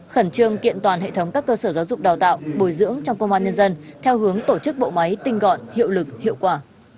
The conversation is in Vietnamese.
khẩn trương kiện toàn hệ thống các cơ sở giáo dục đào tạo bồi dưỡng trong công an nhân dân theo hướng tổ chức bộ máy tinh gọn hiệu lực hiệu quả